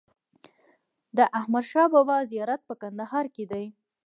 د احمدشاه بابا زیارت په کندهار کې دی.